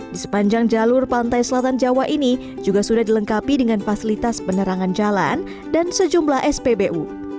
di sepanjang jalur pantai selatan jawa ini juga sudah dilengkapi dengan fasilitas penerangan jalan dan sejumlah spbu